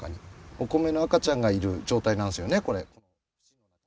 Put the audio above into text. お米の赤ちゃんがいる状態なんですよね、これ。